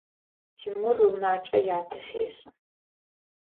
Тимур унакӏэ ятэ фешӏы.